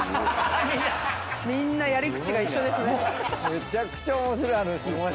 めちゃくちゃ面白い話っすね。